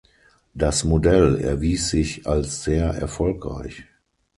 Das Modell erwies sich als sehr erfolgreich.